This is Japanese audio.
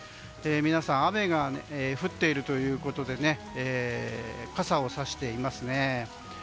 皆さん雨が降っているということで傘をさしていますね。